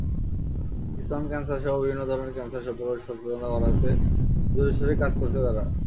স্তন ক্যানসারসহ বিভিন্ন ধরনের ক্যানসার সম্পর্কে সচেতনতা বাড়াতে জোরেশোরে কাজ করছে তারা।